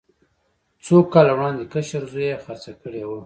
څو کاله وړاندې کشر زوی یې خرڅه کړې وه.